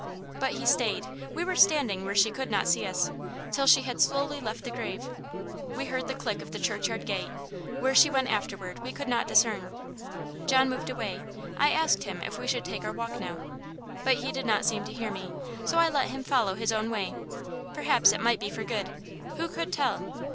But he stayed we were standing where she could not see us till she had slowly left the grave. We heard the click of the churchyard gate: where she went afterward we could not discern. John moved away. I asked him if we should take our walk now? But he did not seem to hear me; so I let him follow his own way perhaps it might be for good who could tell?